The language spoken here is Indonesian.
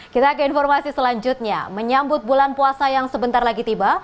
kita ke informasi selanjutnya menyambut bulan puasa yang sebentar lagi tiba